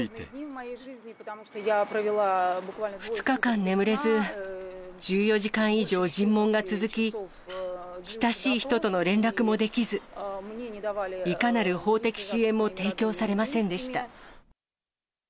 ２日間眠れず、１４時間以上、尋問が続き、親しい人との連絡もできず、いかなる法的支援も提供されませんでした。